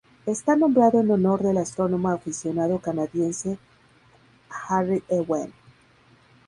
Está nombrado en honor del astrónomo aficionado canadiense Harry Ewen.